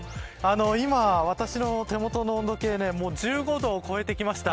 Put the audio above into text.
今、私の手元の温度計でもう１５度を超えてきました。